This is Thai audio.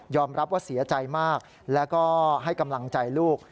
รับว่าเสียใจมากแล้วก็ให้กำลังใจลูก